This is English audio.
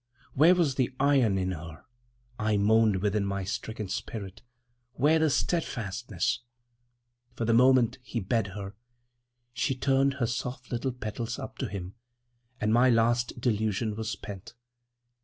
Where was the iron in her, I moaned within my stricken spirit, where the steadfastness? From the moment he bade her, she turned her soft little petals up to him—and my last delusion was spent.